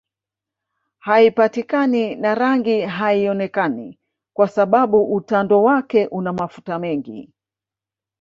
Haipatikani na rangi haionekani kwa sababu utando wake una mafuta mengi